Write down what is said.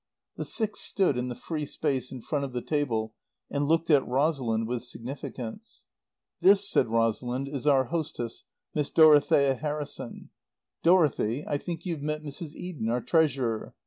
The six stood in the free space in front of the table and looked at Rosalind with significance. "This," said Rosalind, "is our hostess, Miss Dorothea Harrison. Dorothy, I think you've met Mrs. Eden, our Treasurer.